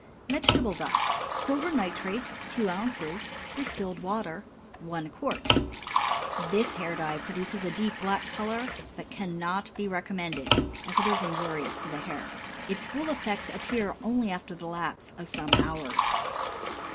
VEGETABLE DYE. Silver nitrate 2 oz. Distilled water 1 qt. This hair dye produces a deep black color, but cannot be recommended, as it is injurious to the hair. Its full effects appear only after the lapse of some hours.